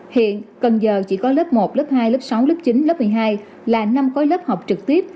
hiện cần giờ chỉ có lớp một lớp hai lớp sáu lớp chín lớp một mươi hai là năm khối lớp học trực tiếp